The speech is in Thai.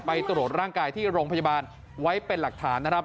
ไปตรวจร่างกายที่โรงพยาบาลไว้เป็นหลักฐานนะครับ